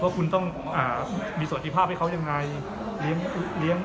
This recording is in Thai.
ว่าคุณต้องมีสวจิภาพให้เขายังไง